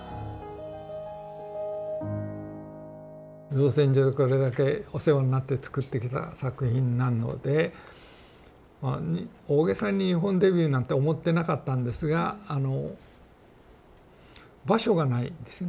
造船所でこれだけお世話になってつくってきた作品なので大げさに日本デビューなんて思ってなかったんですがあの場所がないんですね